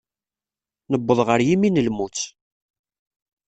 Newweḍ ɣer yimi n lmut.